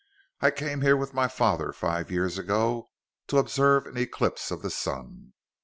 "I came here with my father five years ago to observe an eclipse of the sun.